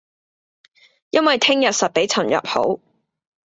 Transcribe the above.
因為聼日實比尋日好